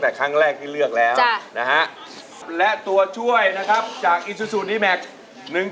ตอนนี้ตัวช่วยคุณหนุย